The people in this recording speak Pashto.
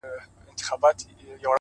مړ به سم مړى به مي ورك سي گراني !!